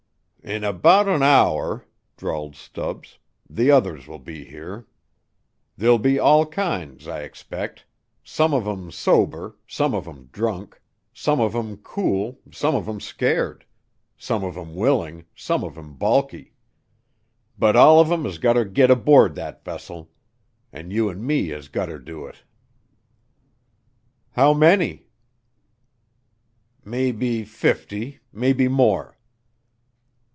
"In about an hour," drawled Stubbs, "the others will be here. There'll be all kinds, I expect; some of 'em sober, some of 'em drunk; some of 'em cool, some of 'em scared; some of 'em willing, some of 'em balky. But all of 'em has gotter git aboard that vessel. An' you and me has gotter do it." "How many?" "Maybe fifty; maybe more."